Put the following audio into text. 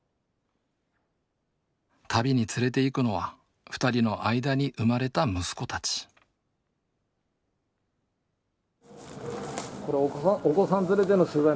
旅に連れていくのは２人の間に生まれた息子たちお子さん連れでの取材なかなか大変ですね。